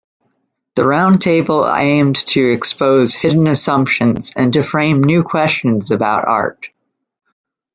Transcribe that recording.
The roundtable aimed to expose "hidden assumptions" and to frame new questions about art.